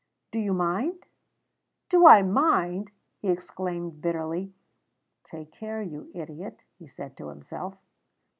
"Do you mind?" "Do I mind!" he exclaimed bitterly. ("Take care, you idiot!" he said to himself.)